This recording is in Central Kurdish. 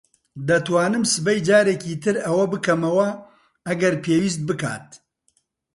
دەتوانم سبەی جارێکی تر ئەوە بکەمەوە ئەگەر پێویست بکات.